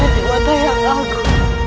dewa tayang aku